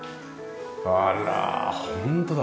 あらホントだ！